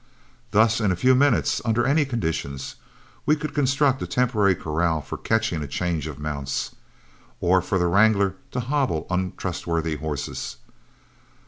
Thus in a few minutes, under any conditions, we could construct a temporary corral for catching a change of mounts, or for the wrangler to hobble untrustworthy horses.